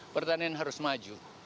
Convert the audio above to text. pertanian harus maju